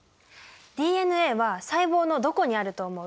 ＤＮＡは細胞のどこにあると思う？